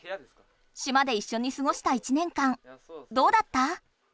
島でいっしょにすごした１年間どうだった？